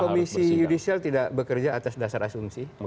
komisi yudisial tidak bekerja atas dasar asumsi